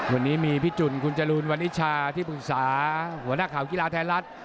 วันนี้มีพี่จุ่นคุณจรูนวันนิชาที่ปรึกษาหัวหน้าข่าวกีฬาไทยรัฐ